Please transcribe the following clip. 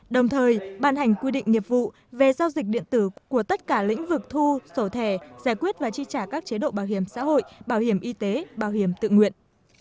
đồng thời ban hành quy định nghiệp vụ về giao dịch điện tử của tất cả lĩnh vực thu sổ thẻ giải quyết và chi trả các chế độ bảo hiểm xã hội bảo hiểm y tế bảo hiểm tự nguyện